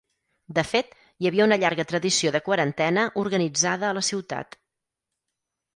De fet, hi havia una llarga tradició de Quarantena organitzada a la ciutat.